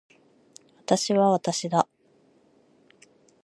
私は私だ。